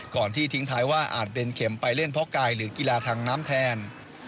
ที่ทิ้งท้ายว่าอาจเป็นเข็มไปเล่นเพราะกายหรือกีฬาทางน้ำแทน